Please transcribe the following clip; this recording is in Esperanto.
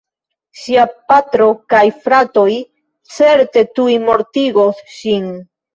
Ŝia patro kaj fratoj certe tuj mortigos ŝin.